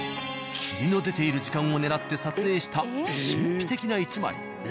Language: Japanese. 霧の出ている時間を狙って撮影した神秘的な１枚。